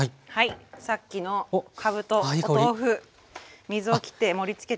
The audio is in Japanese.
さっきのかぶとお豆腐水をきって盛りつけてあります。